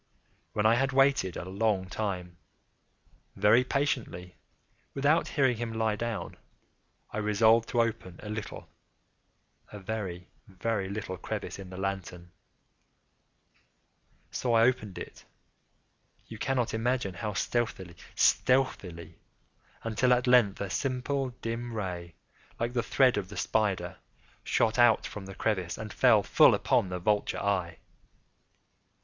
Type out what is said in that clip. When I had waited a long time, very patiently, without hearing him lie down, I resolved to open a little—a very, very little crevice in the lantern. So I opened it—you cannot imagine how stealthily, stealthily—until, at length a simple dim ray, like the thread of the spider, shot from out the crevice and fell full upon the vulture eye.